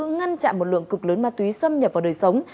ngăn chặn một lượng cực lớn ma túy xâm nhập vào đời sống